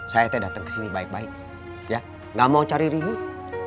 saya teh dateng kesini baik baik ya gak mau cari ribut